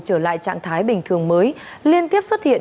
trở lại trạng thái bình thường mới liên tiếp xuất hiện